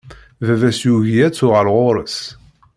Baba-s yugi ad tuɣal ɣur-s.